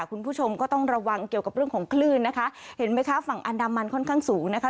คุณผู้ชมก็ต้องระวังเกี่ยวกับเรื่องของคลื่นนะคะเห็นไหมคะฝั่งอันดามันค่อนข้างสูงนะคะ